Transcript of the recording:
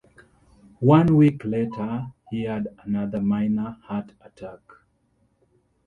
One week later he had another, minor, heart attack.